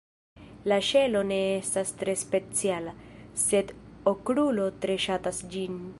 La ŝelo ne estas tre speciala, sed Okrulo tre ŝatas ĝin.